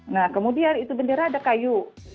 nah kemudian itu bendera ada kayu